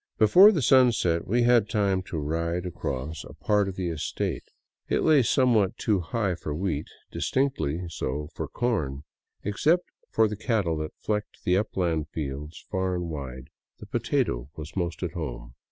Before the sun set, we had time to ride across a part i68 DOWN VOLCANO AVENUE of the estate. It lay somewhat too high for wheat, distinctly so for corn. Except for the cattle that flecked the upland fields far and wide, the potato was most at home.